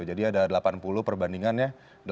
jadi ada delapan puluh perbandingannya